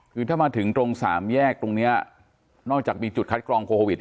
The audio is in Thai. คือถ้ามาถึงตรงสามแยกตรงนี้นอกจากมีจุดคัดกรองโควิด